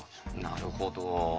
なるほど。